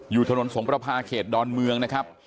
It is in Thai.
อยู่ถนนสงประพาเขตดอนเมืองนะครับ